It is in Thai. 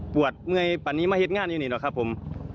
ปวดเมื่อยปันนี้ไม่เฮ็ดงานอยู่นี่หรอครับผม